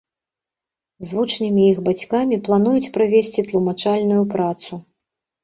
З вучнямі і іх бацькамі плануюць правесці тлумачальную працу.